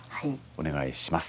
お願いします。